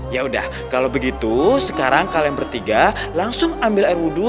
ya udah kalau begitu sekarang kalian bertiga langsung ambil ruhu